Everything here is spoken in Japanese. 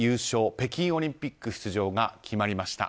北京オリンピック出場が決まりました。